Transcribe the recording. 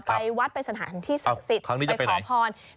ไปวัดไปสถานที่ศักดิ์สิทธิ์ไปขอพร